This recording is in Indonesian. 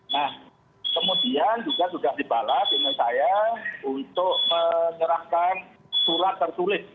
nah kemudian juga sudah dibalas ini saya untuk menyerahkan surat tertulis